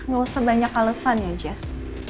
gak usah banyak alesan ya jess